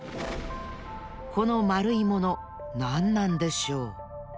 このまるいものなんなんでしょう？